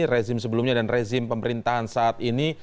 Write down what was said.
rezim sebelumnya dan rezim pemerintahan saat ini